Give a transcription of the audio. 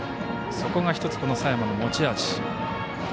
そこが１つ、佐山の持ち味。